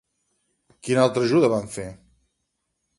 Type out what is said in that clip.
Quina altra ajuda van fer?